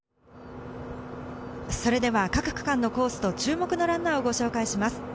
それは各区間のコースと注目のランナーをご紹介します。